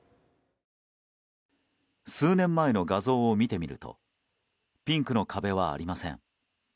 数年前の画像を見てみるとピンクの壁はありません。